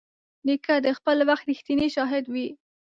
نیکه د خپل وخت رښتینی شاهد وي.